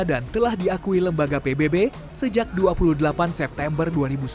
dan telah diakui lembaga pbb sejak dua puluh delapan september dua ribu sembilan